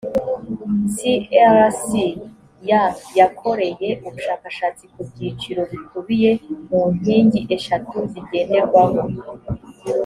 crc ya yakoreye ubushakashatsi ku byiciro bikubiye mu nkingi eshatu zigenderwaho